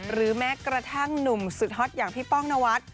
แม้กระทั่งหนุ่มสุดฮอตอย่างพี่ป้องนวัด